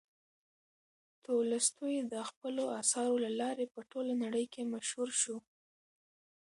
تولستوی د خپلو اثارو له لارې په ټوله نړۍ کې مشهور شو.